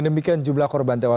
jangan dikeluarkan juga